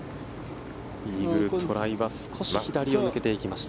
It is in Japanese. イーグルトライは少し左に抜けていきました。